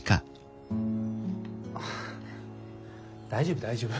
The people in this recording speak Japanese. あ大丈夫大丈夫。